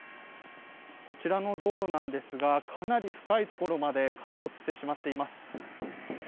こちらの道路なんですがかなり深いところまで陥没してしまっています。